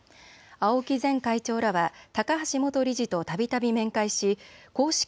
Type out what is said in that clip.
青木前会長らは高橋元理事とたびたび面会し公式